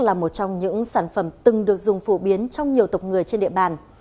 là một trong những sản phẩm từng được dùng phổ biến trong nhiều tộc người trên địa bàn